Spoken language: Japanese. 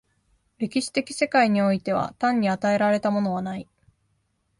歴史的世界においては単に与えられたものはない。